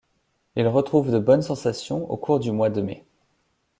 Il retrouve de bonnes sensations au cours du mois de mai.